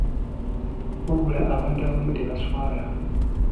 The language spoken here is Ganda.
Wabula abantu abamu tebaswala!